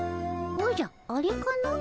おじゃあれかの。